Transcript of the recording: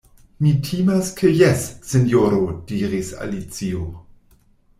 "Mi timas ke jes, Sinjoro," diris Alicio.